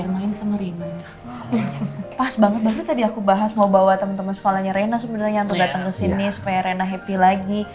mas mau bawa temen temen sekolahnya rena sebenarnya yang kedatang kesini supaya rena happy lagi